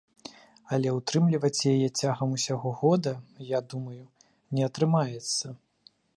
Але ўтрымліваць яе цягам усяго года, я думаю, не атрымаецца.